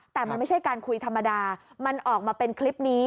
แต่มันไม่ใช่การคุยธรรมดามันออกมาเป็นคลิปนี้